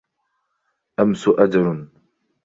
أَمْسُ أَجَلٌ